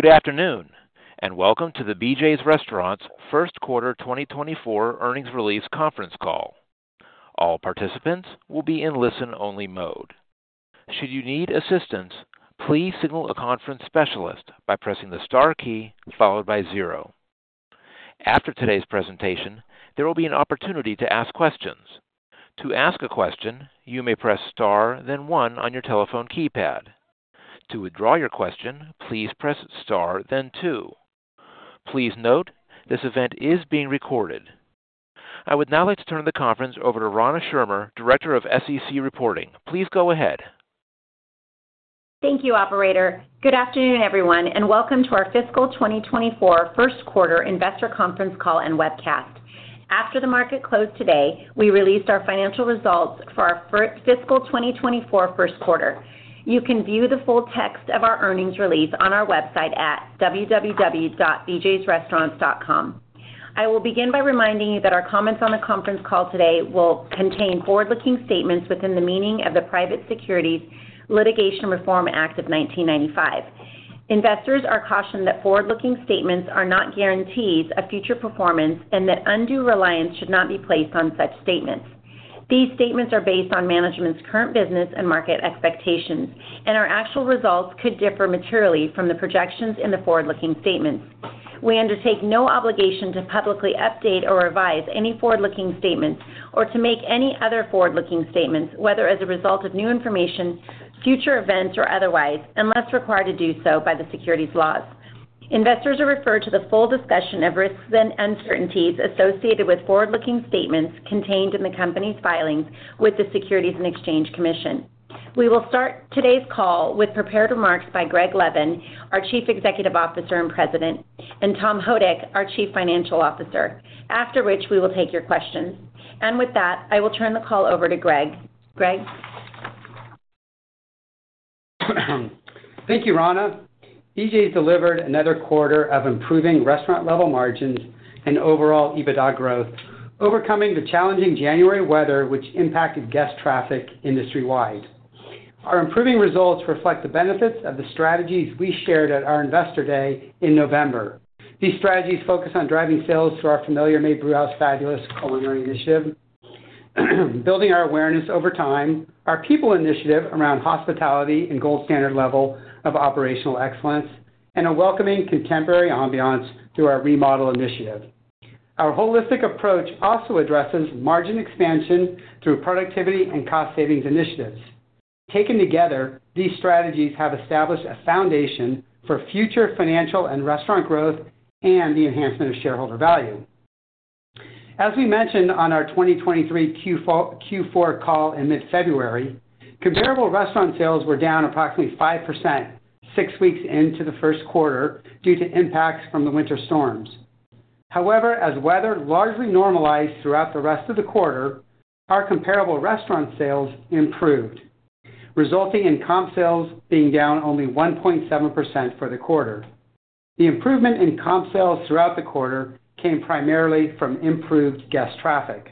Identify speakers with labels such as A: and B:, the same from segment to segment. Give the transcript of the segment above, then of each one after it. A: Good afternoon, and welcome to the BJ's Restaurants Q1 2024 earnings release conference call. All participants will be in listen-only mode. Should you need assistance, please signal a conference specialist by pressing the star key followed by zero. After today's presentation, there will be an opportunity to ask questions. To ask a question, you may press star, then one on your telephone keypad. To withdraw your question, please press star, then two. Please note, this event is being recorded. I would now like to turn the conference over to Rana Schirmer, Director of SEC Reporting. Please go ahead.
B: Thank you, operator. Good afternoon, everyone, and welcome to our fiscal 2024 Q1 investor conference call and webcast. After the market closed today, we released our financial results for our fiscal 2024 Q1. You can view the full text of our earnings release on our website at www.bjsrestaurants.com. I will begin by reminding you that our comments on the conference call today will contain forward-looking statements within the meaning of the Private Securities Litigation Reform Act of 1995. Investors are cautioned that forward-looking statements are not guarantees of future performance and that undue reliance should not be placed on such statements. These statements are based on management's current business and market expectations, and our actual results could differ materially from the projections in the forward-looking statements. We undertake no obligation to publicly update or revise any forward-looking statements or to make any other forward-looking statements, whether as a result of new information, future events, or otherwise, unless required to do so by the securities laws. Investors are referred to the full discussion of risks and uncertainties associated with forward-looking statements contained in the company's filings with the Securities and Exchange Commission. We will start today's call with prepared remarks by Greg Levin, our Chief Executive Officer and President, and Tom Houdek, our Chief Financial Officer, after which we will take your questions. With that, I will turn the call over to Greg. Greg?
C: Thank you, Rana. BJ's delivered another quarter of improving restaurant-level margins and overall EBITDA growth, overcoming the challenging January weather, which impacted guest traffic industry-wide. Our improving results reflect the benefits of the strategies we shared at our Investor Day in November. These strategies focus on driving sales through our Familiar Made Brewhouse Fabulous culinary initiative, building our awareness over time, our people initiative around hospitality and gold standard level of operational excellence, and a welcoming contemporary ambiance through our remodel initiative. Our holistic approach also addresses margin expansion through productivity and cost savings initiatives. Taken together, these strategies have established a foundation for future financial and restaurant growth and the enhancement of shareholder value. As we mentioned on our 2023 Q4, Q4 call in mid-February, comparable restaurant sales were down approximately 5%, six weeks into the Q1 due to impacts from the winter storms. However, as weather largely normalized throughout the rest of the quarter, our comparable restaurant sales improved, resulting in comp sales being down only 1.7% for the quarter. The improvement in comp sales throughout the quarter came primarily from improved guest traffic.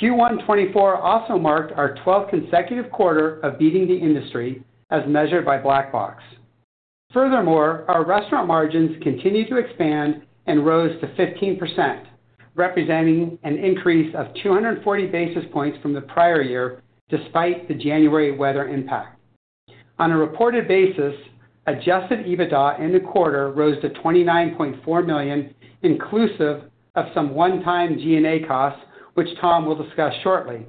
C: Q1 2024 also marked our twelfth consecutive quarter of beating the industry as measured by Black Box. Furthermore, our restaurant margins continued to expand and rose to 15%, representing an increase of 240 basis points from the prior year, despite the January weather impact. On a reported basis, adjusted EBITDA in the quarter rose to $29.4 million, inclusive of some one-time G&A costs, which Tom will discuss shortly.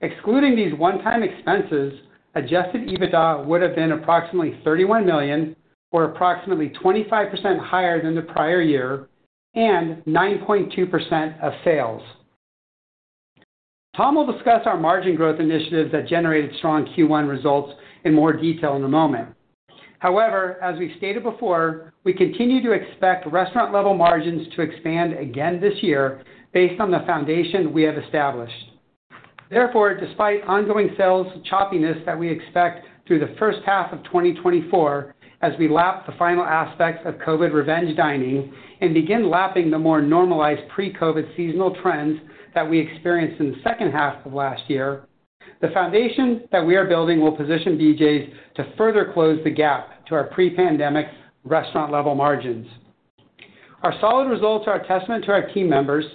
C: Excluding these one-time expenses, adjusted EBITDA would have been approximately $31 million, or approximately 25% higher than the prior year, and 9.2% of sales. Tom will discuss our margin growth initiatives that generated strong Q1 results in more detail in a moment. However, as we stated before, we continue to expect restaurant-level margins to expand again this year based on the foundation we have established. Therefore, despite ongoing sales choppiness that we expect through the first half of 2024, as we lap the final aspects of COVID revenge dining and begin lapping the more normalized pre-COVID seasonal trends that we experienced in the second half of last year, the foundation that we are building will position BJ's to further close the gap to our pre-pandemic restaurant-level margins. Our solid results are a testament to our team members,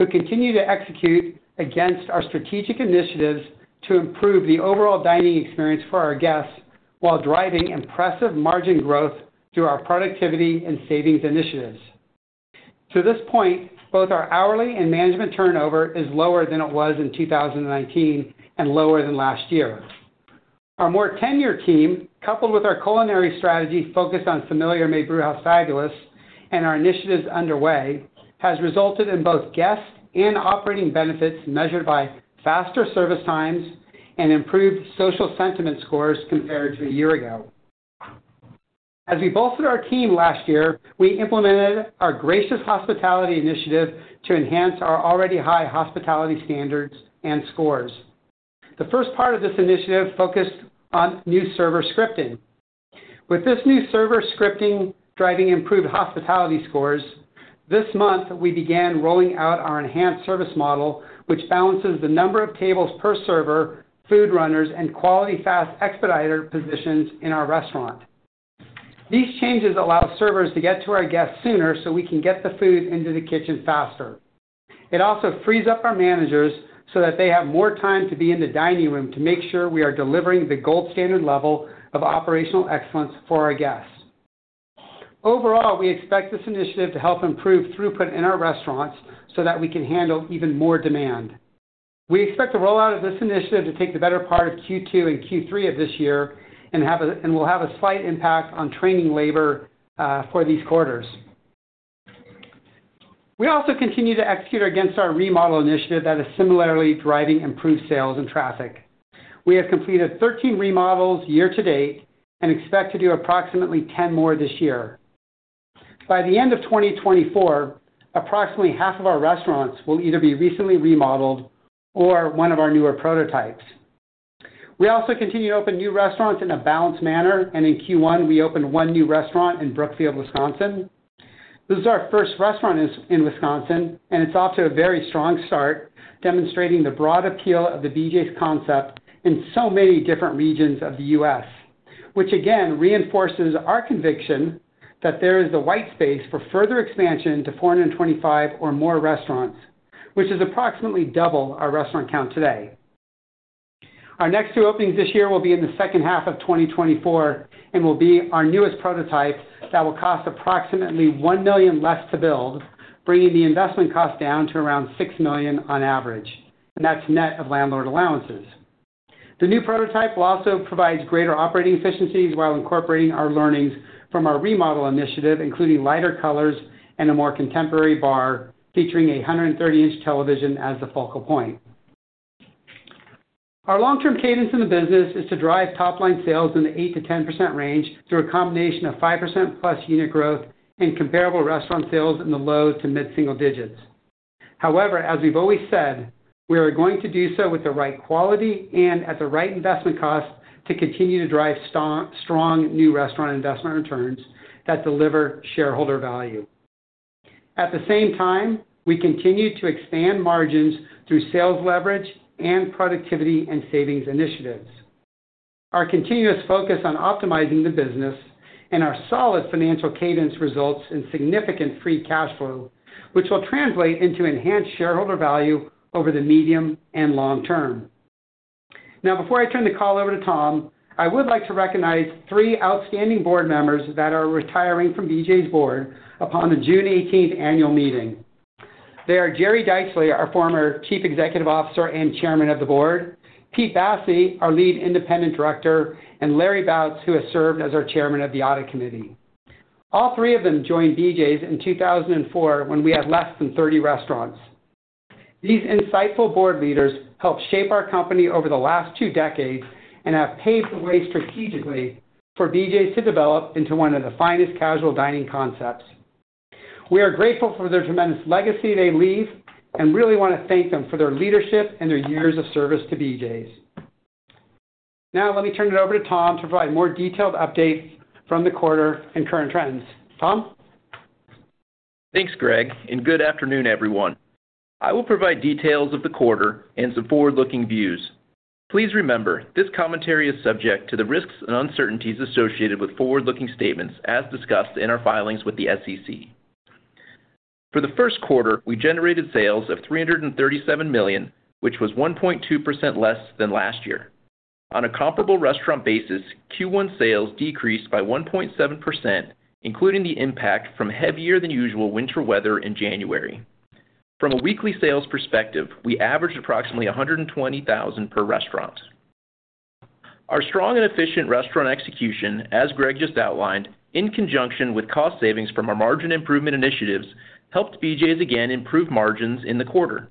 C: who continue to execute against our strategic initiatives to improve the overall dining experience for our guests while driving impressive margin growth through our productivity and savings initiatives. To this point, both our hourly and management turnover is lower than it was in 2019 and lower than last year. Our more ten-year team, coupled with our culinary strategy focused on Familiar Made Brewhouse Fabulous and our initiatives underway, has resulted in both guest and operating benefits measured by faster service times and improved social sentiment scores compared to a year ago. As we bolstered our team last year, we implemented our Gracious Hospitality initiative to enhance our already high hospitality standards and scores. The first part of this initiative focused on new server scripting. With this new server scripting driving improved hospitality scores... This month, we began rolling out our enhanced service model, which balances the number of tables per server, food runners, and quality fast expediter positions in our restaurant. These changes allow servers to get to our guests sooner, so we can get the food into the kitchen faster. It also frees up our managers so that they have more time to be in the dining room to make sure we are delivering the gold standard level of operational excellence for our guests. Overall, we expect this initiative to help improve throughput in our restaurants so that we can handle even more demand. We expect the rollout of this initiative to take the better part of Q2 and Q3 of this year, and will have a slight impact on training labor for these quarters. We also continue to execute against our remodel initiative that is similarly driving improved sales and traffic. We have completed 13 remodels year to date and expect to do approximately 10 more this year. By the end of 2024, approximately half of our restaurants will either be recently remodeled or one of our newer prototypes. We also continue to open new restaurants in a balanced manner, and in Q1, we opened one new restaurant in Brookfield, Wisconsin. This is our first restaurant in Wisconsin, and it's off to a very strong start, demonstrating the broad appeal of the BJ's concept in so many different regions of the US, which, again, reinforces our conviction that there is the white space for further expansion to 425 or more restaurants, which is approximately double our restaurant count today. Our next two openings this year will be in the second half of 2024 and will be our newest prototype that will cost approximately $1 million less to build, bringing the investment cost down to around $6 million on average, and that's net of landlord allowances. The new prototype will also provide greater operating efficiencies while incorporating our learnings from our remodel initiative, including lighter colors and a more contemporary bar, featuring a 130-inch television as the focal point. Our long-term cadence in the business is to drive top-line sales in the 8% to 10% range through a combination of 5%+ unit growth and comparable restaurant sales in the low to mid-single digits. However, as we've always said, we are going to do so with the right quality and at the right investment cost to continue to drive strong new restaurant investment returns that deliver shareholder value. At the same time, we continue to expand margins through sales leverage and productivity and savings initiatives. Our continuous focus on optimizing the business and our solid financial cadence results in significant free cash flow, which will translate into enhanced shareholder value over the medium and long term. Now, before I turn the call over to Tom, I would like to recognize three outstanding board members that are retiring from BJ's board upon the June eighteenth annual meeting. They are Jerry Deitchle, our former Chief Executive Officer and Chairman of the Board, Pete Bassi, our Lead Independent Director, and Larry Bouts, who has served as our Chairman of the Audit Committee. All three of them joined BJ's in 2004 when we had less than 30 restaurants. These insightful board leaders helped shape our company over the last two decades and have paved the way strategically for BJ's to develop into one of the finest casual dining concepts. We are grateful for the tremendous legacy they leave and really want to thank them for their leadership and their years of service to BJ's. Now, let me turn it over to Tom to provide more detailed updates from the quarter and current trends. Tom?
D: Thanks, Greg, and good afternoon, everyone. I will provide details of the quarter and some forward-looking views. Please remember, this commentary is subject to the risks and uncertainties associated with forward-looking statements as discussed in our filings with the SEC. For the Q1, we generated sales of $337 million, which was 1.2% less than last year. On a comparable restaurant basis, Q1 sales decreased by 1.7%, including the impact from heavier than usual winter weather in January. From a weekly sales perspective, we averaged approximately 120,000 per restaurant. Our strong and efficient restaurant execution, as Greg just outlined, in conjunction with cost savings from our margin improvement initiatives, helped BJ's again improve margins in the quarter.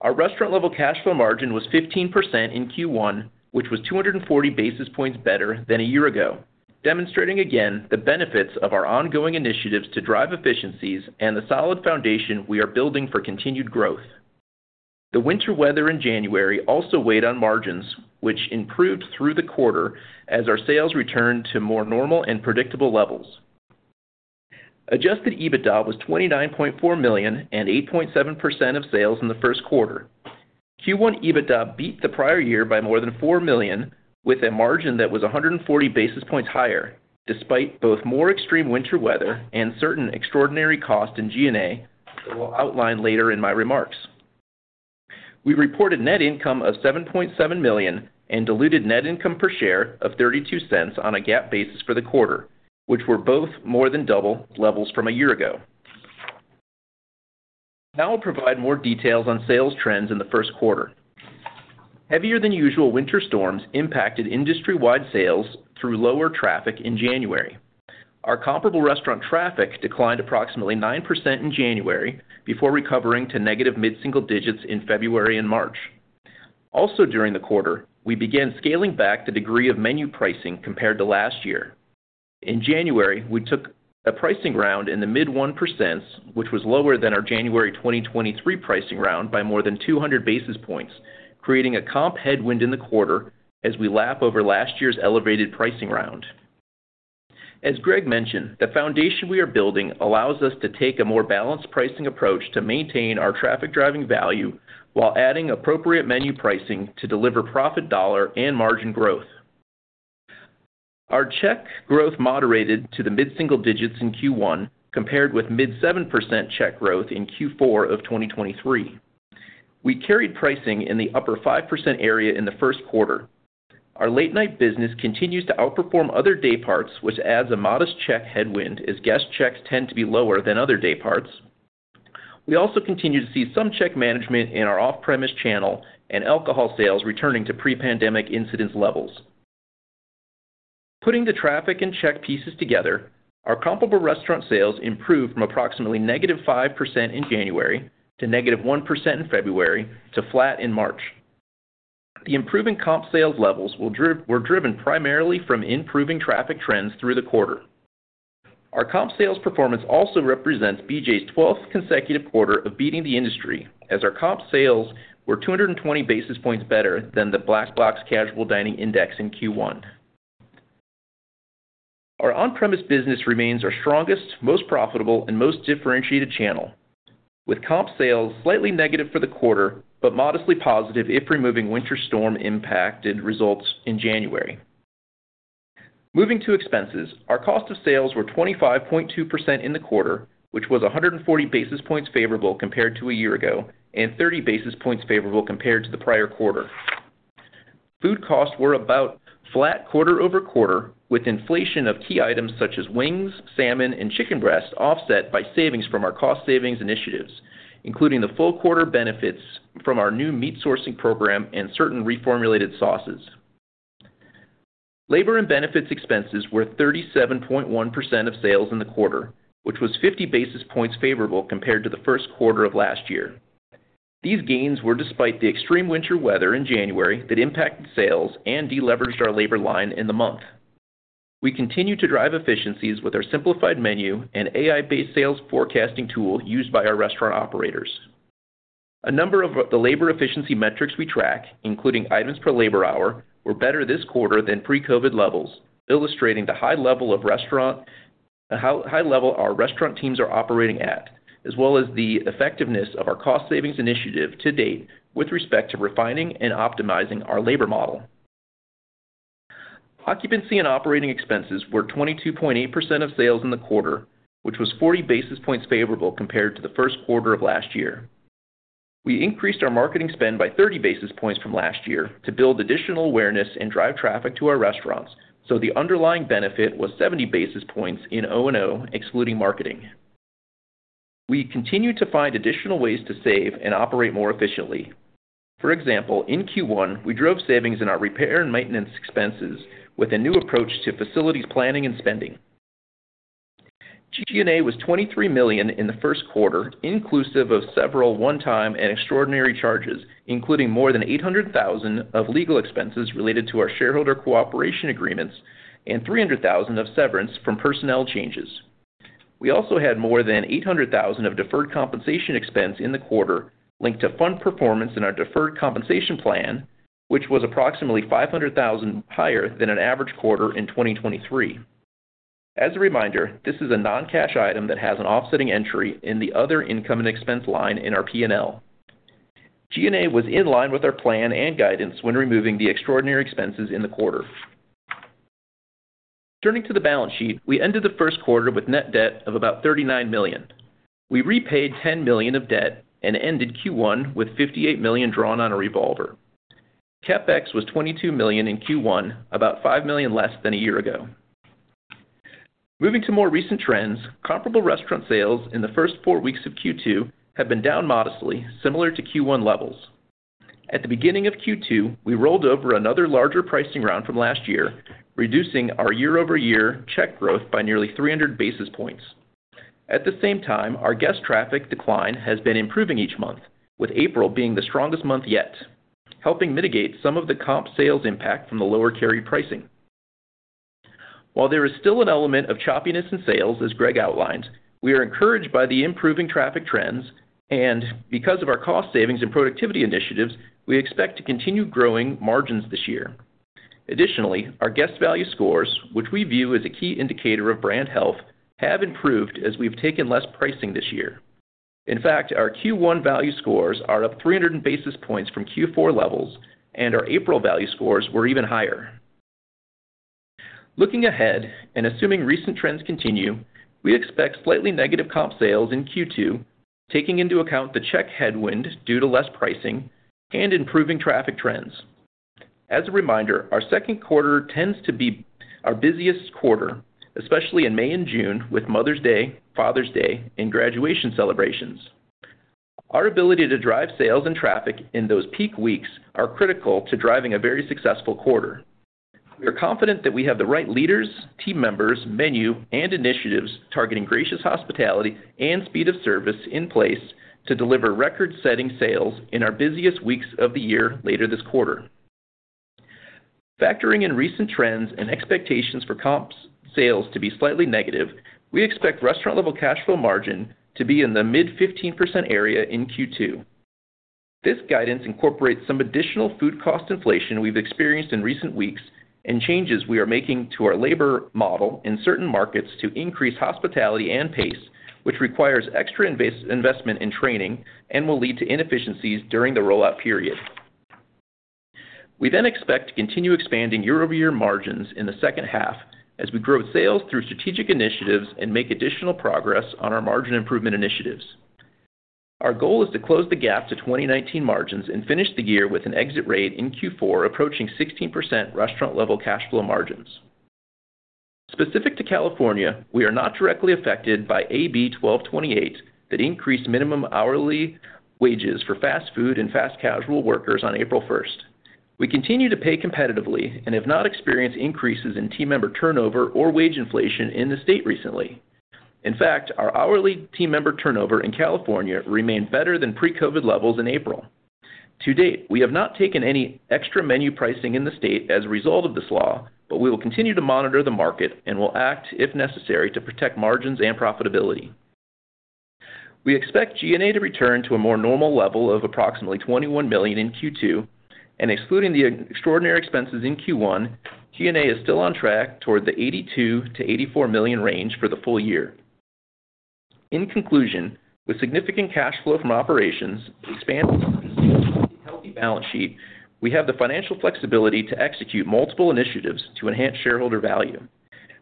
D: Our restaurant-level cash flow margin was 15% in Q1, which was 240 basis points better than a year ago, demonstrating again the benefits of our ongoing initiatives to drive efficiencies and the solid foundation we are building for continued growth. The winter weather in January also weighed on margins, which improved through the quarter as our sales returned to more normal and predictable levels. Adjusted EBITDA was $29.4 million and 8.7% of sales in the Q1. Q1 EBITDA beat the prior year by more than $4 million, with a margin that was 140 basis points higher, despite both more extreme winter weather and certain extraordinary costs in G&A that we'll outline later in my remarks. We reported net income of $7.7 million and diluted net income per share of $0.32 on a GAAP basis for the quarter, which were both more than double levels from a year ago. Now I'll provide more details on sales trends in the Q1. Heavier than usual winter storms impacted industry-wide sales through lower traffic in January. Our comparable restaurant traffic declined approximately 9% in January before recovering to negative mid-single digits in February and March. Also, during the quarter, we began scaling back the degree of menu pricing compared to last year. In January, we took a pricing round in the mid-1%, which was lower than our January 2023 pricing round by more than 200 basis points, creating a comp headwind in the quarter as we lap over last year's elevated pricing round.... As Greg mentioned, the foundation we are building allows us to take a more balanced pricing approach to maintain our traffic-driving value while adding appropriate menu pricing to deliver profit dollar and margin growth. Our check growth moderated to the mid-single digits in Q1, compared with mid-7% check growth in Q4 of 2023. We carried pricing in the upper 5% area in the Q1. Our late-night business continues to outperform other day parts, which adds a modest check headwind, as guest checks tend to be lower than other day parts. We also continue to see some check management in our off-premise channel and alcohol sales returning to pre-pandemic incidence levels. Putting the traffic and check pieces together, our comparable restaurant sales improved from approximately -5% in January to -1% in February to flat in March. The improving comp sales levels were driven primarily from improving traffic trends through the quarter. Our comp sales performance also represents BJ's twelfth consecutive quarter of beating the industry, as our comp sales were 220 basis points better than the Black Box Casual Dining Index in Q1. Our on-premise business remains our strongest, most profitable, and most differentiated channel, with comp sales slightly negative for the quarter, but modestly positive if removing winter storm-impacted results in January. Moving to expenses. Our cost of sales were 25.2% in the quarter, which was 140 basis points favorable compared to a year ago, and 30 basis points favorable compared to the prior quarter. Food costs were about flat quarter-over-quarter, with inflation of key items such as wings, salmon, and chicken breasts, offset by savings from our cost savings initiatives, including the full quarter benefits from our new meat sourcing program and certain reformulated sauces. Labor and benefits expenses were 37.1% of sales in the quarter, which was 50 basis points favorable compared to the Q1 of last year. These gains were despite the extreme winter weather in January that impacted sales and deleveraged our labor line in the month. We continue to drive efficiencies with our simplified menu and AI-based sales forecasting tool used by our restaurant operators. A number of the labor efficiency metrics we track, including items per labor hour, were better this quarter than pre-COVID levels, illustrating how high level our restaurant teams are operating at, as well as the effectiveness of our cost savings initiative to date with respect to refining and optimizing our labor model. Occupancy and operating expenses were 22.8% of sales in the quarter, which was 40 basis points favorable compared to the Q1 of last year. We increased our marketing spend by 30 basis points from last year to build additional awareness and drive traffic to our restaurants, so the underlying benefit was 70 basis points in O&O, excluding marketing. We continued to find additional ways to save and operate more efficiently. For example, in Q1, we drove savings in our repair and maintenance expenses with a new approach to facilities planning and spending. G&A was $23 million in the Q1, inclusive of several one-time and extraordinary charges, including more than $800 thousand of legal expenses related to our shareholder cooperation agreements and $300 thousand of severance from personnel changes. We also had more than $800 thousand of deferred compensation expense in the quarter linked to fund performance in our deferred compensation plan, which was approximately $500 thousand higher than an average quarter in 2023. As a reminder, this is a non-cash item that has an offsetting entry in the other income and expense line in our P&L. G&A was in line with our plan and guidance when removing the extraordinary expenses in the quarter. Turning to the balance sheet, we ended the Q1 with net debt of about $39 million. We repaid $10 million of debt and ended Q1 with $58 million drawn on a revolver. CapEx was $22 million in Q1, about $5 million less than a year ago. Moving to more recent trends, comparable restaurant sales in the first four weeks of Q2 have been down modestly, similar to Q1 levels. At the beginning of Q2, we rolled over another larger pricing round from last year, reducing our year-over-year check growth by nearly 300 basis points. At the same time, our guest traffic decline has been improving each month, with April being the strongest month yet, helping mitigate some of the comp sales impact from the lower carry pricing. While there is still an element of choppiness in sales, as Greg outlined, we are encouraged by the improving traffic trends, and because of our cost savings and productivity initiatives, we expect to continue growing margins this year. Additionally, our guest value scores, which we view as a key indicator of brand health, have improved as we've taken less pricing this year. In fact, our Q1 value scores are up 300 basis points from Q4 levels, and our April value scores were even higher. Looking ahead, and assuming recent trends continue, we expect slightly negative comp sales in Q2, taking into account the check headwind due to less pricing and improving traffic trends. As a reminder, our Q2 tends to be our busiest quarter, especially in May and June, with Mother's Day, Father's Day, and graduation celebrations. Our ability to drive sales and traffic in those peak weeks are critical to driving a very successful quarter. We are confident that we have the right leaders, team members, menu, and initiatives targeting gracious hospitality and speed of service in place to deliver record-setting sales in our busiest weeks of the year later this quarter. Factoring in recent trends and expectations for comp sales to be slightly negative, we expect restaurant-level cash flow margin to be in the mid-15% area in Q2. This guidance incorporates some additional food cost inflation we've experienced in recent weeks and changes we are making to our labor model in certain markets to increase hospitality and pace, which requires extra investment in training and will lead to inefficiencies during the rollout period. We then expect to continue expanding year-over-year margins in the second half as we grow sales through strategic initiatives and make additional progress on our margin improvement initiatives. Our goal is to close the gap to 2019 margins and finish the year with an exit rate in Q4, approaching 16% restaurant-level cash flow margins. Specific to California, we are not directly affected by AB 1228, that increased minimum hourly wages for fast food and fast casual workers on April 1st. We continue to pay competitively and have not experienced increases in team member turnover or wage inflation in the state recently. In fact, our hourly team member turnover in California remained better than pre-COVID levels in April. To date, we have not taken any extra menu pricing in the state as a result of this law, but we will continue to monitor the market and will act, if necessary, to protect margins and profitability. We expect G&A to return to a more normal level of approximately $21 million in Q2, and excluding the extraordinary expenses in Q1, G&A is still on track toward the $82 million-$84 million range for the full year. In conclusion, with significant cash flow from operations, expanding sales, and a healthy balance sheet, we have the financial flexibility to execute multiple initiatives to enhance shareholder value.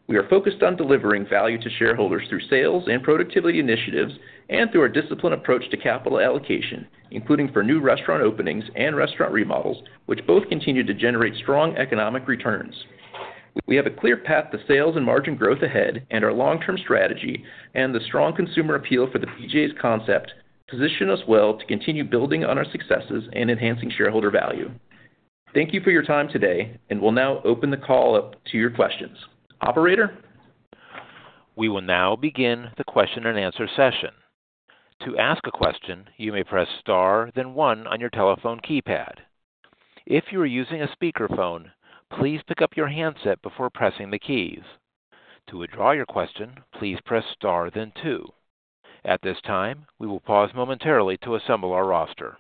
D: We are focused on delivering value to shareholders through sales and productivity initiatives and through our disciplined approach to capital allocation, including for new restaurant openings and restaurant remodels, which both continue to generate strong economic returns. We have a clear path to sales and margin growth ahead, and our long-term strategy and the strong consumer appeal for the BJ's concept, position us well to continue building on our successes and enhancing shareholder value. Thank you for your time today, and we'll now open the call up to your questions. Operator?
A: We will now begin the question and answer session. To ask a question, you may press Star, then one on your telephone keypad. If you are using a speakerphone, please pick up your handset before pressing the keys. To withdraw your question, please press Star then two. At this time, we will pause momentarily to assemble our roster.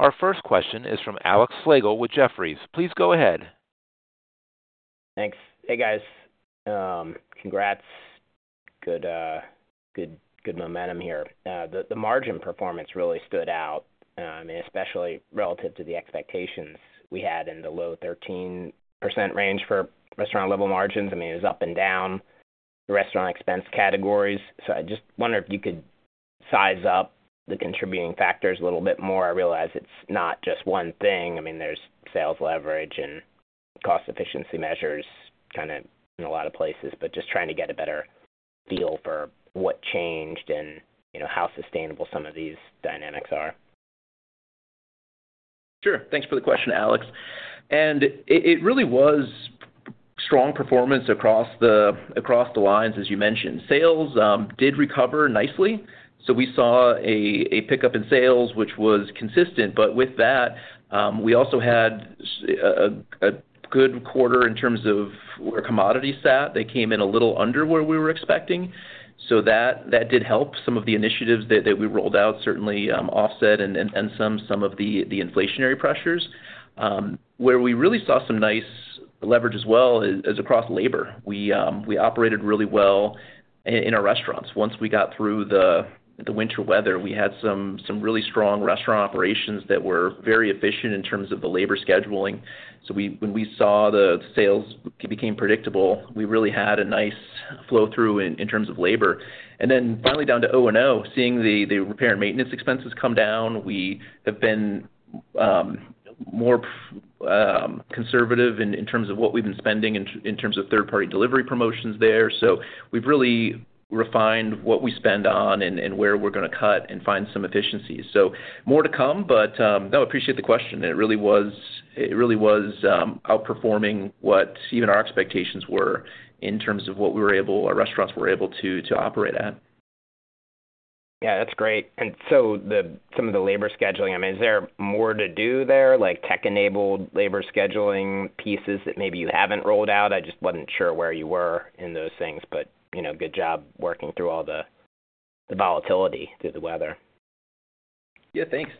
A: Our first question is from Alex Slagle with Jefferies. Please go ahead.
E: Thanks. Hey, guys. Congrats. Good, good momentum here. The margin performance really stood out, and especially relative to the expectations we had in the low 13% range for restaurant-level margins. I mean, it was up and down the restaurant expense categories. So I just wonder if you could size up the contributing factors a little bit more. I realize it's not just one thing. I mean, there's sales leverage and cost efficiency measures kind of in a lot of places, but just trying to get a better feel for what changed and, you know, how sustainable some of these dynamics are.
D: Sure. Thanks for the question, Alex. And it really was strong performance across the lines, as you mentioned. Sales did recover nicely, so we saw a pickup in sales, which was consistent. But with that, we also had a good quarter in terms of where commodities sat. They came in a little under where we were expecting, so that did help. Some of the initiatives that we rolled out certainly offset and some of the inflationary pressures. Where we really saw some nice leverage as well is across labor. We operated really well in our restaurants. Once we got through the winter weather, we had some really strong restaurant operations that were very efficient in terms of the labor scheduling. So when we saw the sales became predictable, we really had a nice flow through in terms of labor. And then finally, down to O&O, seeing the repair and maintenance expenses come down, we have been more conservative in terms of what we've been spending in terms of third-party delivery promotions there. So we've really refined what we spend on and where we're gonna cut and find some efficiencies. So more to come, but no, appreciate the question. It really was outperforming what even our expectations were in terms of what we were able our restaurants were able to operate at.
E: Yeah, that's great. And so some of the labor scheduling, I mean, is there more to do there, like tech-enabled labor scheduling pieces that maybe you haven't rolled out? I just wasn't sure where you were in those things, but, you know, good job working through all the volatility through the weather.
D: Yeah, thanks.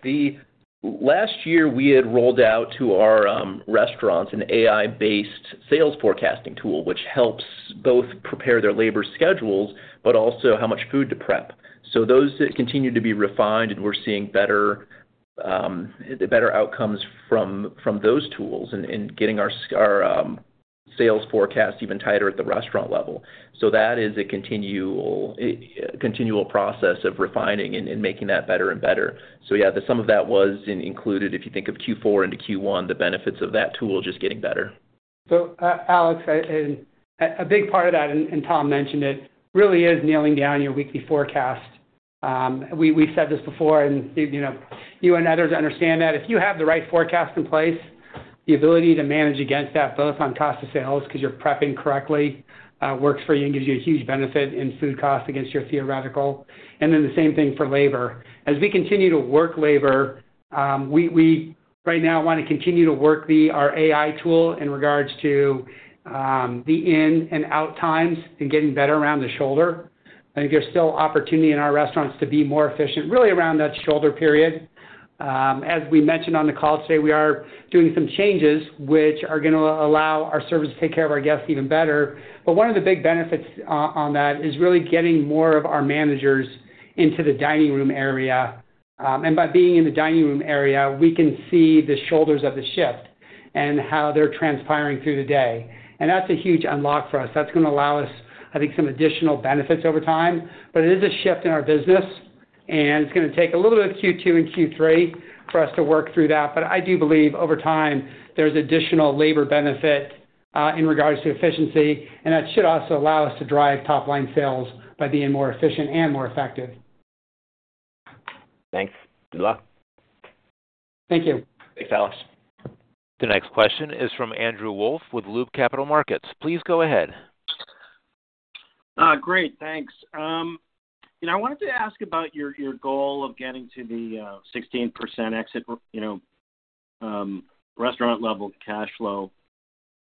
D: Last year, we had rolled out to our restaurants an AI-based sales forecasting tool, which helps both prepare their labor schedules, but also how much food to prep. So those continue to be refined, and we're seeing better outcomes from those tools and getting our sales forecast even tighter at the restaurant level. So that is a continual process of refining and making that better and better. So yeah, the sum of that was included, if you think of Q4 into Q1, the benefits of that tool are just getting better.
C: So, Alex, a big part of that, and Tom mentioned it, really is nailing down your weekly forecast. We've said this before, and you know, you and others understand that if you have the right forecast in place, the ability to manage against that, both on cost of sales, because you're prepping correctly, works for you and gives you a huge benefit in food cost against your theoretical, and then the same thing for labor. As we continue to work labor, we right now want to continue to work our AI tool in regards to the in and out times and getting better around the shoulder. I think there's still opportunity in our restaurants to be more efficient, really around that shoulder period. As we mentioned on the call today, we are doing some changes which are gonna allow our servers to take care of our guests even better. But one of the big benefits on that is really getting more of our managers into the dining room area. And by being in the dining room area, we can see the shoulders of the shift and how they're transpiring through the day. And that's a huge unlock for us. That's gonna allow us, I think, some additional benefits over time. But it is a shift in our business, and it's gonna take a little bit of Q2 and Q3 for us to work through that. But I do believe over time, there's additional labor benefit in regards to efficiency, and that should also allow us to drive top-line sales by being more efficient and more effective.
E: Thanks. Good luck.
C: Thank you.
D: Thanks, Alex.
A: The next question is from Andrew Wolf with Loop Capital Markets. Please go ahead.
F: Great, thanks. You know, I wanted to ask about your, your goal of getting to the 16% exit, you know, restaurant-level cash flow,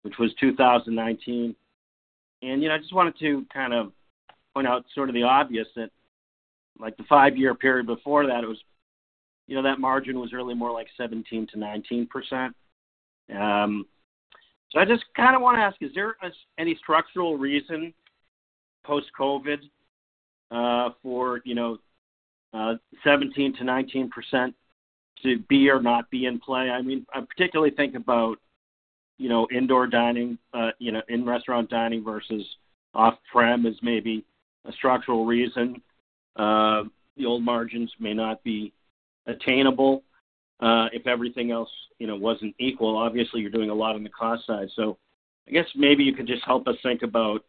F: which was 2019. You know, I just wanted to kind of point out sort of the obvious, that, like, the five-year period before that, it was-- you know, that margin was really more like 17%-19%. So I just kinda wanna ask, is there any structural reason post-COVID, for, you know, 17% to 19% to be or not be in play? I mean, I particularly think about, you know, indoor dining, you know, in-restaurant dining versus off-prem as maybe a structural reason. The old margins may not be attainable, if everything else, you know, wasn't equal. Obviously, you're doing a lot on the cost side. I guess maybe you could just help us think about,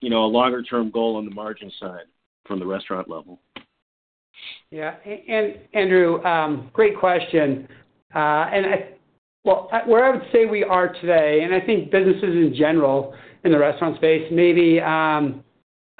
F: you know, a longer-term goal on the margin side from the restaurant level.
C: Yeah. And Andrew, great question. Well, where I would say we are today, and I think businesses in general in the restaurant space, maybe,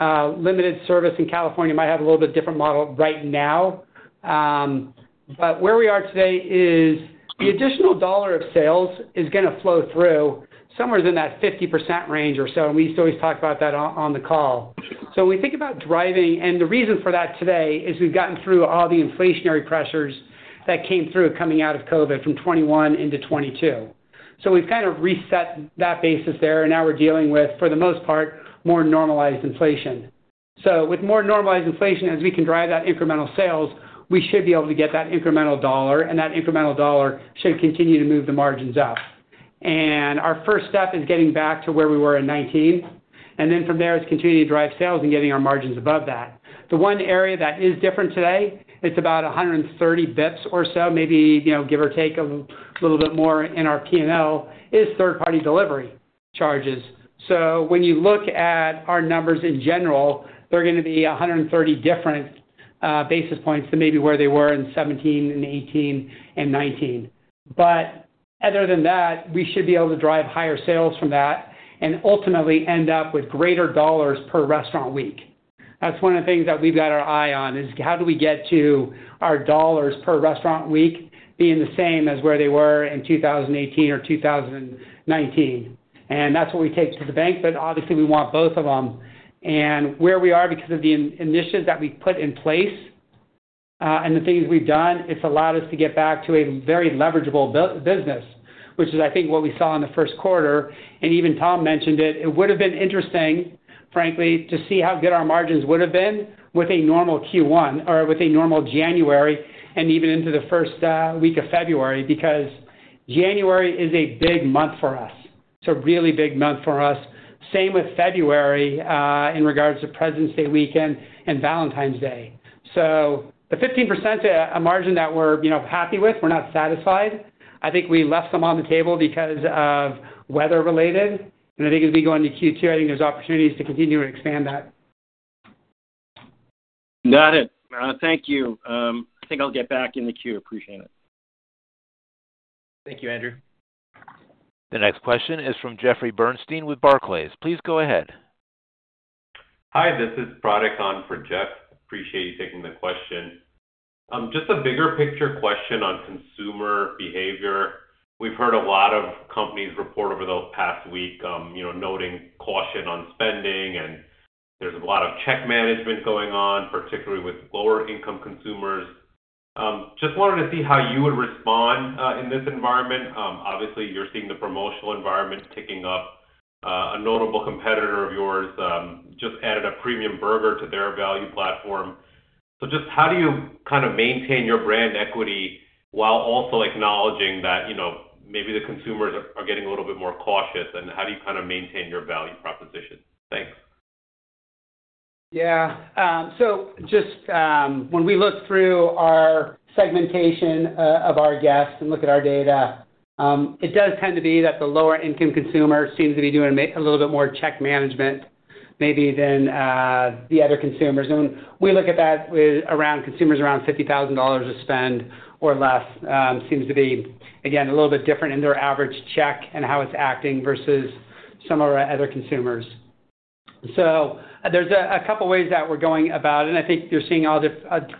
C: limited service in California might have a little bit different model right now. But where we are today is, the additional $1 of sales is gonna flow through somewhere in that 50% range or so, and we used to always talk about that on the call. So when we think about driving and the reason for that today is we've gotten through all the inflationary pressures that came through coming out of COVID, from 2021 into 2022. So we've kind of reset that basis there, and now we're dealing with, for the most part, more normalized inflation. So with more normalized inflation, as we can drive that incremental sales, we should be able to get that incremental dollar, and that incremental dollar should continue to move the margins up. Our first step is getting back to where we were in 2019, and then from there, it's continuing to drive sales and getting our margins above that. The one area that is different today, it's about 130 basis points or so, maybe, you know, give or take a little bit more in our P&L, is third-party delivery charges. So when you look at our numbers in general, they're gonna be 130 basis points different than maybe where they were in 2017 and 2018 and 2019. But other than that, we should be able to drive higher sales from that and ultimately end up with greater dollars per restaurant week. That's one of the things that we've got our eye on, is how do we get to our dollars per restaurant week being the same as where they were in 2018 or 2019? And that's what we take to the bank, but obviously, we want both of them. And where we are because of the initiatives that we've put in place, and the things we've done, it's allowed us to get back to a very leverageable business, which is, I think, what we saw in the Q1, and even Tom mentioned it. It would have been interesting, frankly, to see how good our margins would have been with a normal Q1 or with a normal January and even into the first week of February, because January is a big month for us. It's a really big month for us. Same with February in regards to President's Day weekend and Valentine's Day. So the 15%, a margin that we're, you know, happy with, we're not satisfied. I think we left them on the table because of weather-related, and I think as we go into Q2, I think there's opportunities to continue to expand that.
F: Got it. Thank you. I think I'll get back in the queue. Appreciate it.
D: Thank you, Andrew.
A: The next question is from Jeffrey Bernstein with Barclays. Please go ahead.
G: Hi, this is Pratik on for Jeff. Appreciate you taking the question. Just a bigger picture question on consumer behavior. We've heard a lot of companies report over the past week, you know, noting caution on spending, and there's a lot of check management going on, particularly with lower-income consumers. Just wanted to see how you would respond in this environment. Obviously, you're seeing the promotional environment picking up. A notable competitor of yours just added a premium burger to their value platform. So just how do you kind of maintain your brand equity while also acknowledging that, you know, maybe the consumers are getting a little bit more cautious, and how do you kind of maintain your value proposition? Thanks.
C: Yeah. So just, when we look through our segmentation of our guests and look at our data, it does tend to be that the lower-income consumer seems to be doing a little bit more check management maybe than the other consumers. And we look at that with around consumers around $50,000 of spend or less, seems to be, again, a little bit different in their average check and how it's acting versus some of our other consumers. So there's a couple of ways that we're going about it, and I think you're seeing all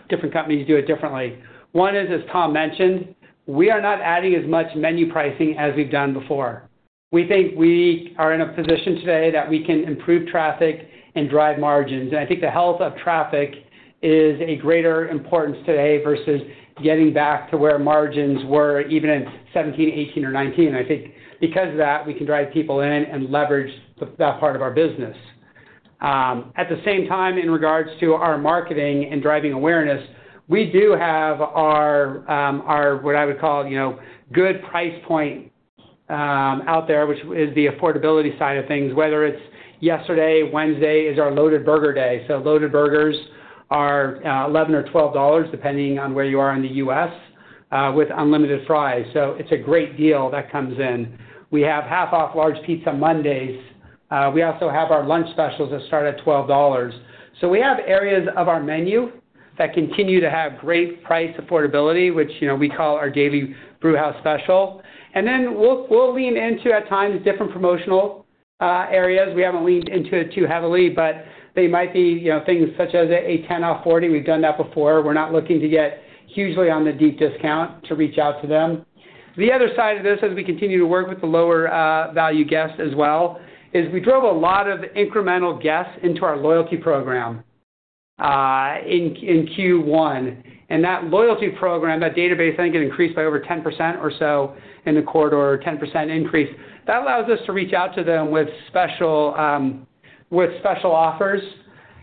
C: different companies do it differently. One is, as Tom mentioned, we are not adding as much menu pricing as we've done before.... We think we are in a position today that we can improve traffic and drive margins. I think the health of traffic is a greater importance today versus getting back to where margins were even in 17, 18 or 19. I think because of that, we can drive people in and leverage that part of our business. At the same time, in regards to our marketing and driving awareness, we do have our what I would call, you know, good price point out there, which is the affordability side of things, whether it's yesterday, Wednesday, is our loaded burger day. So loaded burgers are $11 or $12, depending on where you are in the U.S., with unlimited fries. So it's a great deal that comes in. We have half-off large pizza Mondays. We also have our lunch specials that start at $12. So we have areas of our menu that continue to have great price affordability, which, you know, we call our Daily Brewhouse Special. And then we'll lean into, at times, different promotional areas. We haven't leaned into it too heavily, but they might be, you know, things such as a $10-off $40. We've done that before. We're not looking to get hugely on the deep discount to reach out to them. The other side of this, as we continue to work with the lower value guests as well, is we drove a lot of incremental guests into our loyalty program in Q1. And that loyalty program, that database, I think, it increased by over 10% or so in the quarter, or 10% increase. That allows us to reach out to them with special with special offers.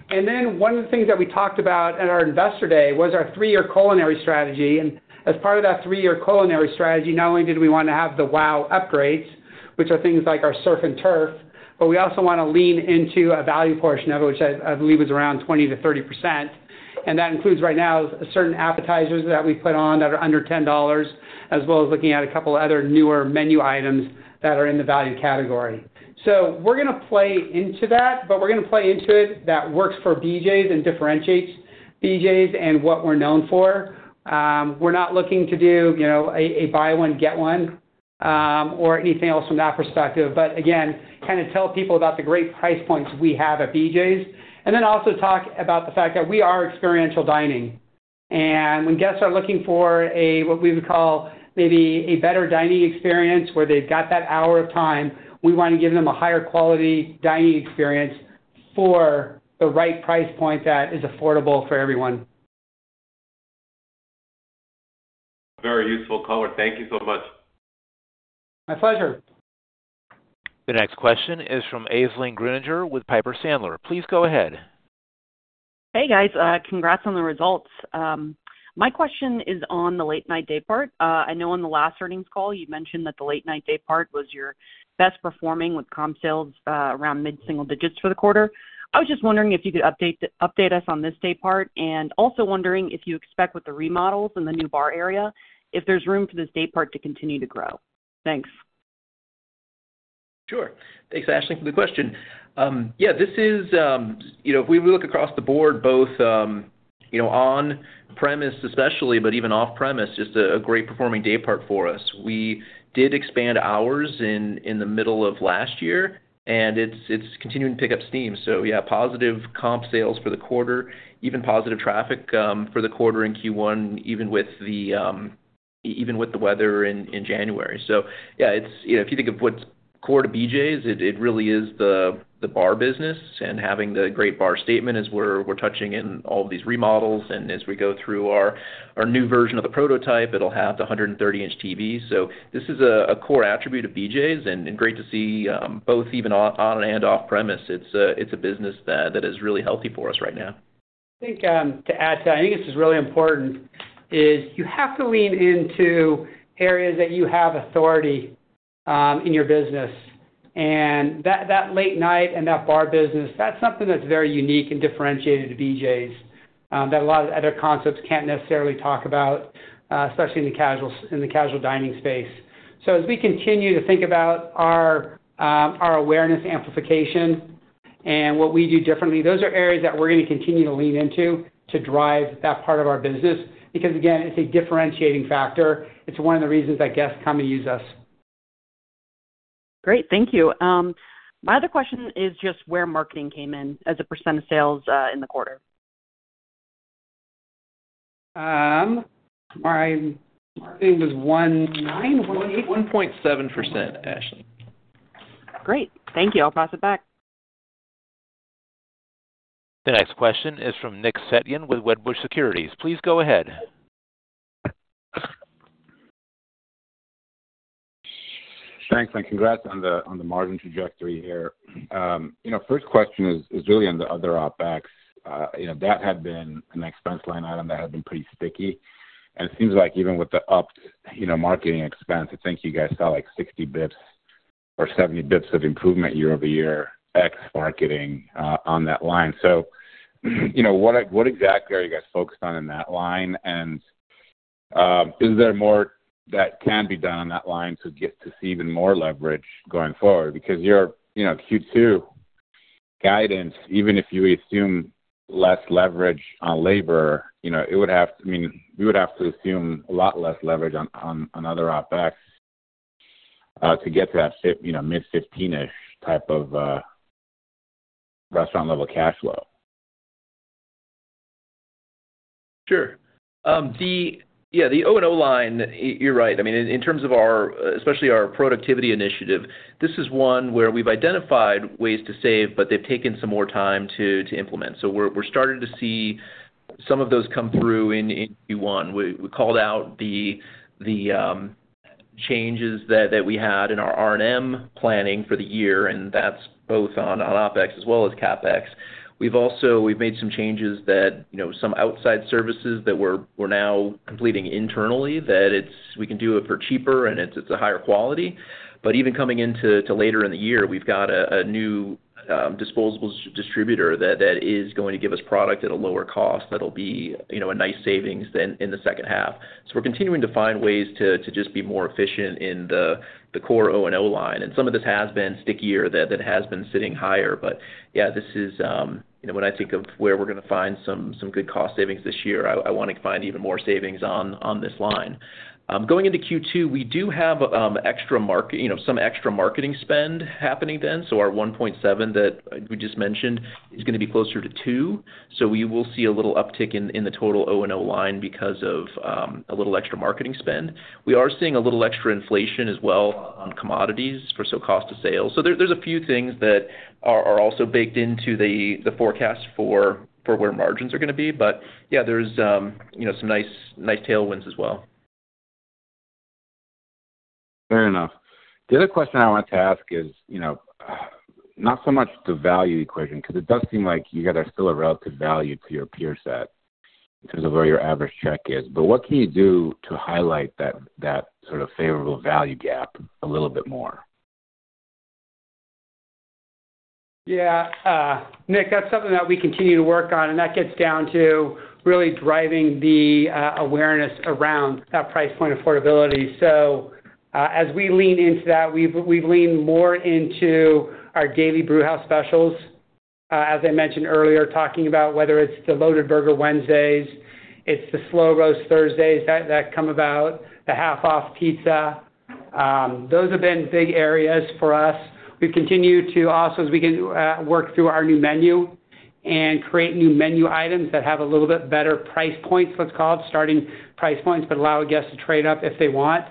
C: And then one of the things that we talked about at our Investor Day was our three-year culinary strategy. And as part of that three-year culinary strategy, not only did we want to have the wow upgrades, which are things like our surf and turf, but we also want to lean into a value portion of it, which I believe is around 20% to 30%. And that includes right now, certain appetizers that we put on that are under $10, as well as looking at a couple other newer menu items that are in the value category. So we're going to play into that, but we're going to play into it that works for BJ's and differentiates BJ's and what we're known for. We're not looking to do, you know, a buy one, get one, or anything else from that perspective. Again, kind of tell people about the great price points we have at BJ's, and then also talk about the fact that we are experiential dining. When guests are looking for a, what we would call maybe a better dining experience, where they've got that hour of time, we want to give them a higher quality dining experience for the right price point that is affordable for everyone.
G: Very useful color. Thank you so much.
C: My pleasure.
A: The next question is from Aisling Grueninger with Piper Sandler. Please go ahead.
H: Hey, guys, congrats on the results. My question is on the late night day part. I know on the last earnings call, you mentioned that the late night day part was your best performing with comp sales around mid-single digits for the quarter. I was just wondering if you could update us on this day part, and also wondering if you expect with the remodels in the new bar area, if there's room for this day part to continue to grow. Thanks.
D: Sure. Thanks, Aisling, for the question. Yeah, this is, you know, if we look across the board, both, you know, on premise especially, but even off premise, just a great performing day part for us. We did expand hours in the middle of last year, and it's continuing to pick up steam. So yeah, positive comp sales for the quarter, even positive traffic for the quarter in Q1, even with the weather in January. So yeah, it's... You know, if you think of what's core to BJ's, it really is the bar business and having the great bar statement as we're touching in all of these remodels. And as we go through our new version of the prototype, it'll have the 130-inch TV. So this is a core attribute of BJ's, and great to see both even on and off premise. It's a business that is really healthy for us right now.
C: I think, to add to that, I think this is really important, is you have to lean into areas that you have authority, in your business. And that, that late night and that bar business, that's something that's very unique and differentiated to BJ's, that a lot of other concepts can't necessarily talk about, especially in the casual dining space. So as we continue to think about our, our awareness amplification and what we do differently, those are areas that we're going to continue to lean into to drive that part of our business, because, again, it's a differentiating factor. It's one of the reasons that guests come to use us.
H: Great. Thank you. My other question is just where marketing came in as a % of sales, in the quarter.
D: It was 1.9, 1.8, 1.7%, Aisling.
H: Great. Thank you. I'll pass it back.
A: The next question is from Nick Setyan with Wedbush Securities. Please go ahead.
I: Thanks, and congrats on the, on the margin trajectory here. You know, first question is, is really on the other OpEx. You know, that had been an expense line item that had been pretty sticky, and it seems like even with the upped, you know, marketing expense, I think you guys saw, like, 60 basis points or 70 basis points of improvement year-over-year ex marketing, on that line. So, you know, what, what exactly are you guys focused on in that line? And, is there more that can be done on that line to get to see even more leverage going forward? Because your, you know, Q2 guidance, even if you assume less leverage on labor, you know, it would have... I mean, we would have to assume a lot less leverage on other OpEx to get to that, you know, mid-fifteenish type of restaurant level cash flow....
D: Sure. Yeah, the O&O line, you're right. I mean, in terms of our, especially our productivity initiative, this is one where we've identified ways to save, but they've taken some more time to implement. So we're starting to see some of those come through in Q1. We called out the changes that we had in our R&M planning for the year, and that's both on OpEx as well as CapEx. We've also. We've made some changes that, you know, some outside services that we're now completing internally, that it's. We can do it for cheaper, and it's a higher quality. But even coming into later in the year, we've got a new disposable distributor that is going to give us product at a lower cost. That'll be, you know, a nice savings then in the second half. So we're continuing to find ways to just be more efficient in the core O&O line. And some of this has been stickier, that has been sitting higher. But yeah, this is, you know, when I think of where we're gonna find some good cost savings this year, I want to find even more savings on this line. Going into Q2, we do have extra marketing—you know, some extra marketing spend happening then. So our 1.7 that we just mentioned is gonna be closer to two. So we will see a little uptick in the total O&O line because of a little extra marketing spend. We are seeing a little extra inflation as well on commodities versus cost of sales. So there, there's a few things that are also baked into the forecast for where margins are gonna be. But yeah, there's, you know, some nice tailwinds as well.
I: Fair enough. The other question I wanted to ask is, you know, not so much the value equation, 'cause it does seem like you guys are still a relative value to your peer set in terms of where your average check is. But what can you do to highlight that, that sort of favorable value gap a little bit more?
C: Yeah, Nick, that's something that we continue to work on, and that gets down to really driving the awareness around that price point affordability. So, as we lean into that, we've leaned more into our Daily Brewhouse Specials. As I mentioned earlier, talking about whether it's the Loaded Burger Wednesdays, it's the Slow Roast Thursdays that come about, the Half Off Pizza, those have been big areas for us. We've continued to also, as we work through our new menu and create new menu items that have a little bit better price points, let's call it, starting price points, but allow our guests to trade up if they want.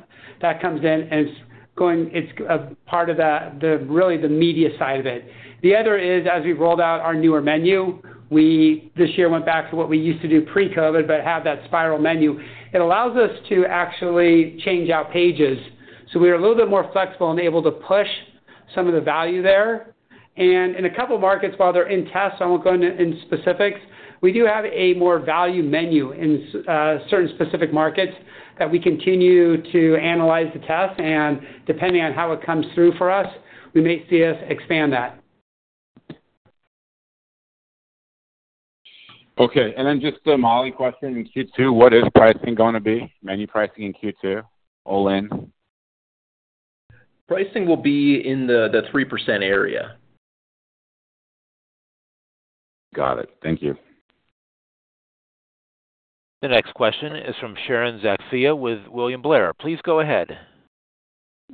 C: That comes in, and it's going, it's a part of the really the media side of it. The other is, as we've rolled out our newer menu, we, this year, went back to what we used to do pre-COVID, but have that spiral menu. It allows us to actually change out pages, so we are a little bit more flexible and able to push some of the value there. And in a couple of markets, while they're in test, I won't go into specifics, we do have a more value menu in certain specific markets that we continue to analyze the test, and depending on how it comes through for us, we may see us expand that.
I: Okay, and then just a Molly question. In Q2, what is pricing going to be? Menu pricing in Q2, all in?
D: Pricing will be in the 3% area.
I: Got it. Thank you.
A: The next question is from Sharon Zackfia with William Blair. Please go ahead.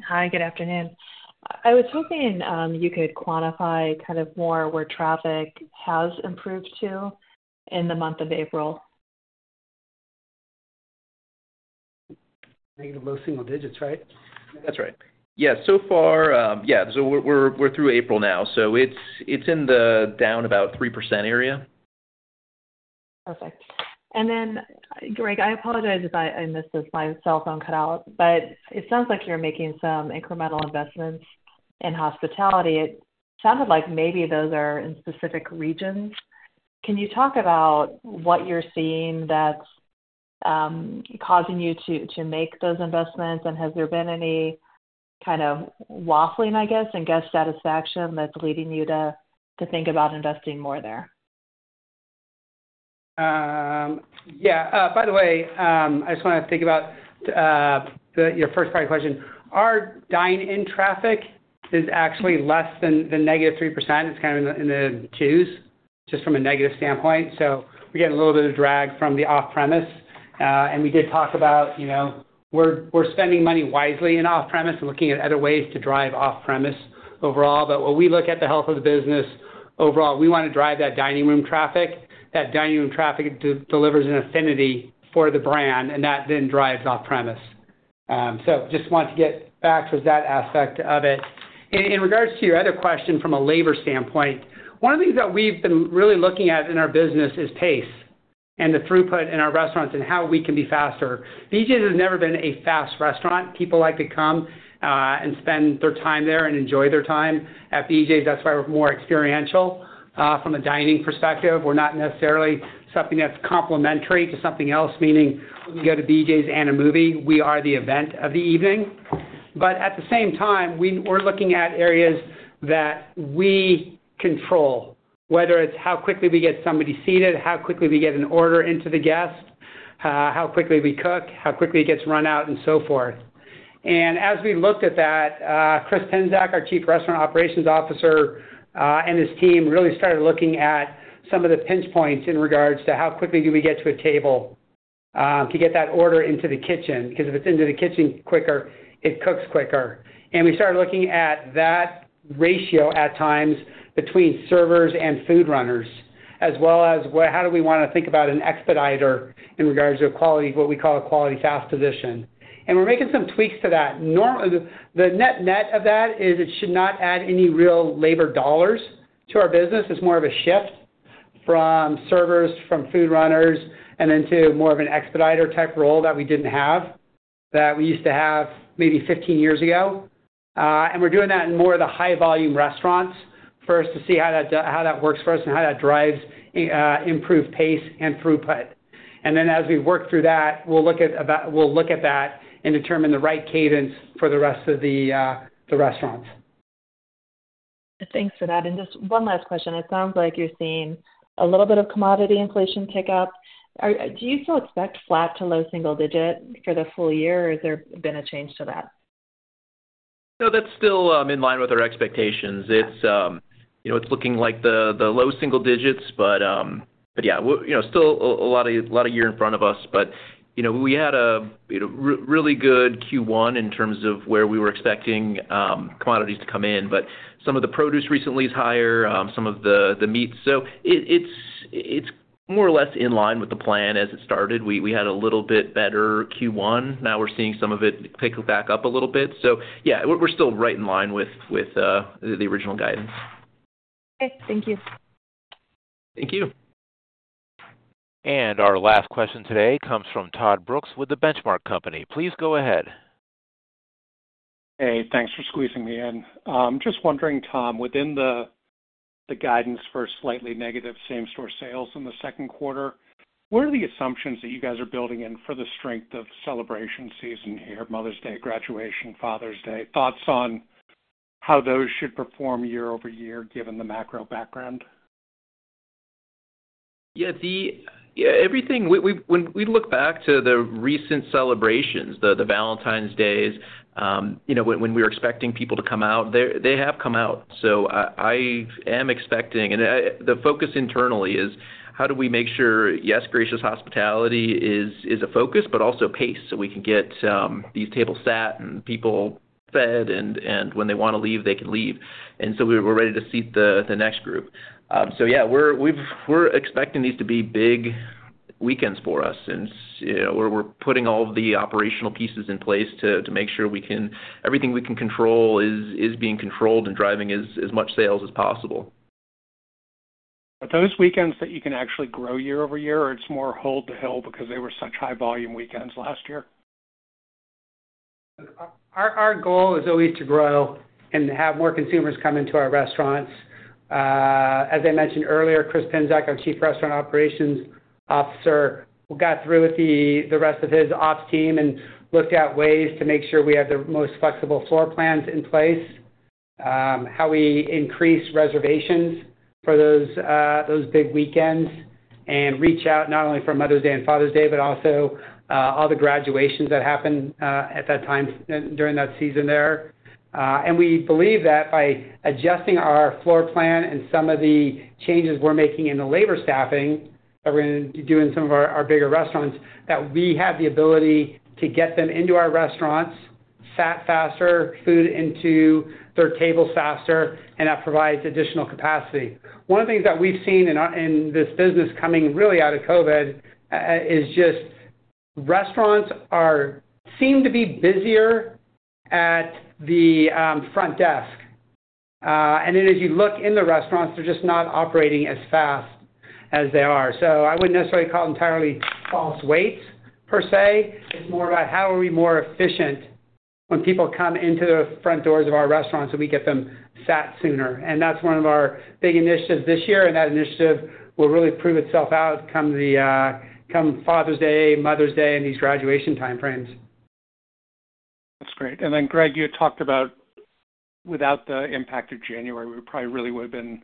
J: Hi, good afternoon. I was hoping, you could quantify kind of more where traffic has improved to in the month of April?
C: Negative, low single digits, right?
D: That's right. Yeah, so far, yeah, so we're through April now, so it's in the down about 3% area.
J: Perfect. And then, Greg, I apologize if I, I missed this, my cell phone cut out, but it sounds like you're making some incremental investments in hospitality. It sounded like maybe those are in specific regions. Can you talk about what you're seeing that's causing you to, to make those investments? And has there been any kind of waffling, I guess, in guest satisfaction that's leading you to, to think about investing more there?
C: Yeah. By the way, I just want to think about your first part of the question. Our dine-in traffic is actually less than -3%. It's kind of in the twos, just from a negative standpoint. So we're getting a little bit of drag from the off-premise. And we did talk about, you know, we're spending money wisely in off-premise and looking at other ways to drive off-premise overall. But when we look at the health of the business overall, we want to drive that dining room traffic. That dining room traffic delivers an affinity for the brand, and that then drives off-premise. So just wanted to get back to that aspect of it. In regards to your other question from a labor standpoint, one of the things that we've been really looking at in our business is pace and the throughput in our restaurants and how we can be faster. BJ's has never been a fast restaurant. People like to come, and spend their time there and enjoy their time at BJ's. That's why we're more experiential. From a dining perspective, we're not necessarily something that's complementary to something else, meaning we go to BJ's and a movie, we are the event of the evening. But at the same time, we're looking at areas that we control, whether it's how quickly we get somebody seated, how quickly we get an order into the guest, how quickly we cook, how quickly it gets run out, and so forth. As we looked at that, Chris Pinsak, our Chief Restaurant Operations Officer, and his team really started looking at some of the pinch points in regards to how quickly do we get to a table? To get that order into the kitchen, because if it's into the kitchen quicker, it cooks quicker. And we started looking at that ratio at times between servers and food runners, as well as how do we wanna think about an expediter in regards to a quality, what we call a quality fast position. And we're making some tweaks to that. The, the net-net of that is it should not add any real labor dollars to our business. It's more of a shift from servers, from food runners, and into more of an expediter type role that we didn't have, that we used to have maybe 15 years ago. and we're doing that in more of the high volume restaurants first, to see how that how that works for us and how that drives, improved pace and throughput. And then as we work through that, we'll look at we'll look at that and determine the right cadence for the rest of the, the restaurants.
J: Thanks for that. Just one last question. It sounds like you're seeing a little bit of commodity inflation tick up. Do you still expect flat to low single digit for the full year, or has there been a change to that?
D: No, that's still in line with our expectations. It's you know, it's looking like the low single digits, but but yeah, we you know, still a lot of year in front of us. But you know, we had a you know, really good Q1 in terms of where we were expecting commodities to come in. But some of the produce recently is higher, some of the meat. So it's more or less in line with the plan as it started. We had a little bit better Q1. Now we're seeing some of it pick back up a little bit. So yeah, we're still right in line with the original guidance.
J: Okay, thank you.
D: Thank you.
A: Our last question today comes from Todd Brooks with The Benchmark Company. Please go ahead.
K: Hey, thanks for squeezing me in. Just wondering, Tom, within the guidance for slightly negative same store sales in the Q2, what are the assumptions that you guys are building in for the strength of celebration season here, Mother's Day, graduation, Father's Day? Thoughts on how those should perform year-over-year, given the macro background?
D: Yeah, everything. When we look back to the recent celebrations, the Valentine's Days, you know, when we were expecting people to come out, they have come out. So I am expecting, and I, the focus internally is how do we make sure, yes, Gracious Hospitality is a focus, but also pace, so we can get these tables sat and people fed, and when they wanna leave, they can leave. And so we're ready to seat the next group. So yeah, we're expecting these to be big weekends for us. And, you know, we're putting all the operational pieces in place to make sure we can, everything we can control is being controlled and driving as much sales as possible.
K: Are those weekends that you can actually grow year over year, or it's more hold to hell because they were such high volume weekends last year?
C: Our goal is always to grow and have more consumers come into our restaurants. As I mentioned earlier, Chris Pinsak, our Chief Restaurant Operations Officer, got through with the rest of his ops team and looked at ways to make sure we have the most flexible floor plans in place, how we increase reservations for those those big weekends, and reach out not only for Mother's Day and Father's Day, but also all the graduations that happen at that time during that season there. And we believe that by adjusting our floor plan and some of the changes we're making in the labor staffing that we're gonna do in some of our our bigger restaurants, that we have the ability to get them into our restaurants, sat faster, food into their tables faster, and that provides additional capacity. One of the things that we've seen in this business coming really out of COVID is just restaurants seem to be busier at the front desk. And then as you look in the restaurants, they're just not operating as fast as they are. So I wouldn't necessarily call entirely false waits per se. It's more about how are we more efficient when people come into the front doors of our restaurants, so we get them sat sooner. And that's one of our big initiatives this year, and that initiative will really prove itself out come Father's Day, Mother's Day, and these graduation time frames.
K: That's great. And then, Greg, you talked about without the impact of January, we probably really would've been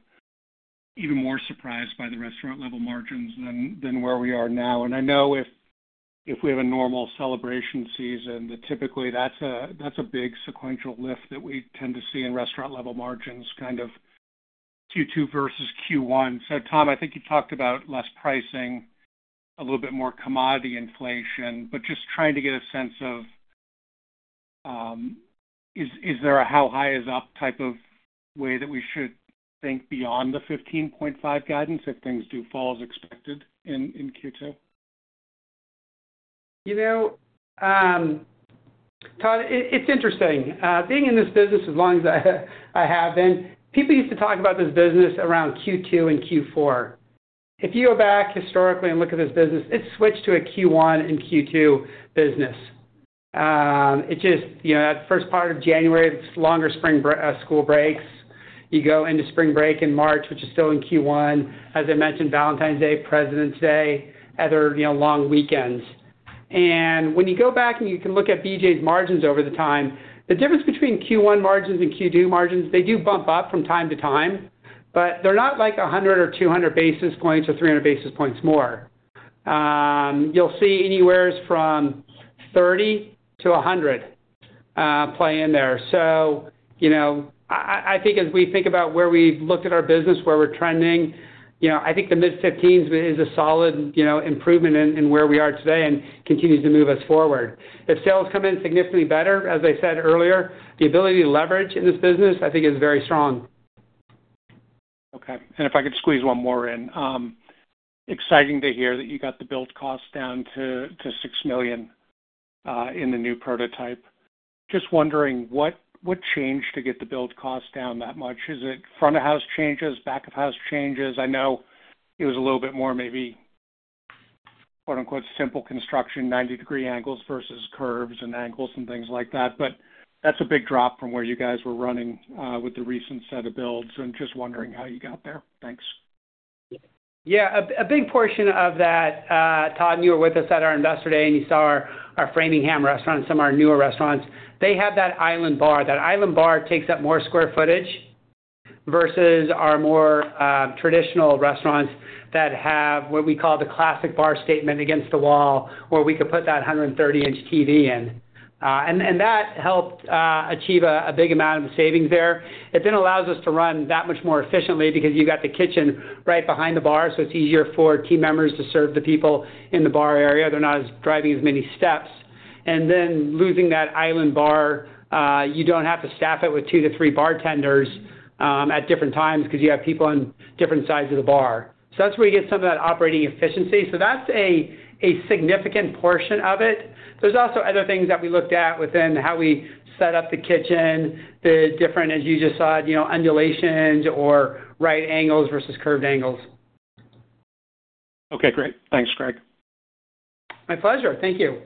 K: even more surprised by the restaurant-level margins than where we are now. And I know if we have a normal celebration season, that typically that's a big sequential lift that we tend to see in restaurant-level margins, kind of Q2 versus Q1. So Tom, I think you talked about less pricing, a little bit more commodity inflation, but just trying to get a sense of, is there a how high is up type of way that we should think beyond the 15.5 guidance if things do fall as expected in Q2?
C: You know, Todd, it's interesting. Being in this business as long as I have been, people used to talk about this business around Q2 and Q4. If you go back historically and look at this business, it's switched to a Q1 and Q2 business. It just, you know, at the first part of January, it's longer school breaks. You go into spring break in March, which is still in Q1. As I mentioned, Valentine's Day, President's Day, other, you know, long weekends. When you go back and you can look at BJ's margins over the time, the difference between Q1 margins and Q2 margins, they do bump up from time to time, but they're not like 100 or 200 basis points or 300 basis points more. You'll see anywheres from 30 to 100.... play in there. So, you know, I think as we think about where we've looked at our business, where we're trending, you know, I think the mid-15s is a solid, you know, improvement in where we are today and continues to move us forward. If sales come in significantly better, as I said earlier, the ability to leverage in this business, I think, is very strong.
K: Okay. If I could squeeze one more in. Exciting to hear that you got the build cost down to $6 million in the new prototype. Just wondering what changed to get the build cost down that much? Is it front of house changes, back of house changes? I know it was a little bit more maybe, quote, unquote, "simple construction," 90-degree angles versus curves and angles and things like that, but that's a big drop from where you guys were running with the recent set of builds, and just wondering how you got there. Thanks.
C: Yeah. A big portion of that, Todd, you were with us at our Investor Day, and you saw our Framingham restaurant and some of our newer restaurants. They have that island bar. That island bar takes up more square footage versus our more traditional restaurants that have what we call the classic bar statement against the wall, where we could put that 130-inch TV in. And that helped achieve a big amount of savings there. It then allows us to run that much more efficiently because you've got the kitchen right behind the bar, so it's easier for team members to serve the people in the bar area. They're not as driving as many steps. Then losing that island bar, you don't have to staff it with two to three bartenders at different times because you have people on different sides of the bar. So that's where you get some of that operating efficiency. So that's a significant portion of it. There's also other things that we looked at within how we set up the kitchen, as you just saw it, you know, undulations or right angles versus curved angles.
K: Okay, great. Thanks, Greg.
C: My pleasure. Thank you.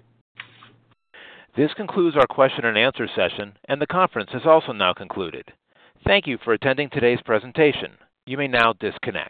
A: This concludes our question and answer session, and the conference is also now concluded. Thank you for attending today's presentation. You may now disconnect.